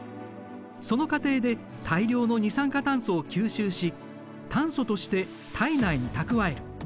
その過程で大量の二酸化炭素を吸収し炭素として体内に蓄える。